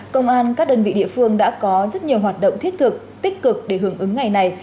công an các đơn vị địa phương đã có rất nhiều hoạt động thiết thực tích cực để hưởng ứng ngày này